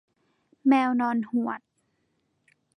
แมวนอนหวด